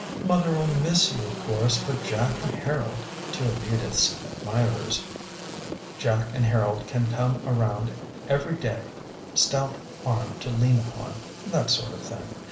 "Mother'll miss you, of course, but Jack and Harold" two of Edith's admirers "Jack and Harold can come around every day stout arm to lean upon, that sort of thing.